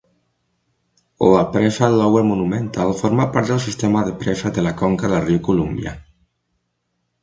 La pressa Lower Monumental forma part del sistema de presses de la conca del riu Columbia.